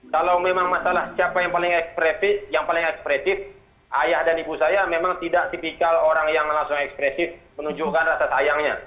kalau memang masalah siapa yang paling ekspresif ayah dan ibu saya memang tidak tipikal orang yang langsung ekspresif menunjukkan rasa sayangnya